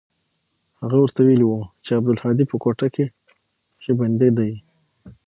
هغه ورته ويلي و چې عبدالهادي په کوټه کښې بندي دى.